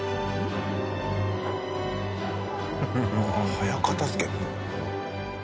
早片付け。